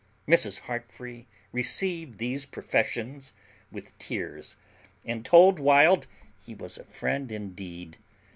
Mrs. Heartfree received these professions with tears, and told Wild he was a friend indeed.